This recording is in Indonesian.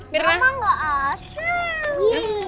mama gak asal